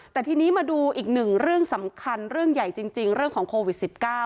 แต่ทีนี้มาดูอีกหนึ่งเรื่องสำคัญเรื่องใหญ่จริงเรื่องของโควิด๑๙